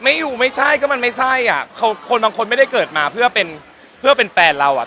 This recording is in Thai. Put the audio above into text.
ไม่อยู่ไม่ใช่ก็มันไม่ใช่อ่ะคนบางคนไม่ได้เกิดมาเพื่อเป็นเพื่อเป็นแฟนเราอ่ะ